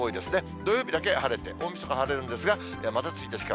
土曜日だけ晴れて、大みそかは晴れるんですが、また１日から。